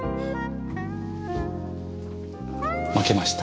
負けました。